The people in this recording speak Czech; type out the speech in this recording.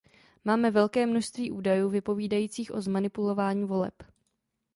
Máme velké množství údajů vypovídajících o zmanipulování voleb.